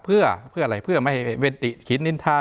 เพื่ออะไรเพื่อไม่ให้เวติขินนินทา